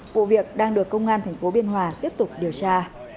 vụ việc đang được công an tp biên hòa tiếp tục điều tra